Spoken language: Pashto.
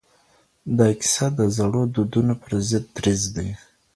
دا کیسه د زړو دودونو پر ضد دریځ دی.